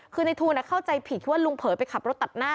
คือในทูลเข้าใจผิดคิดว่าลุงเผยไปขับรถตัดหน้า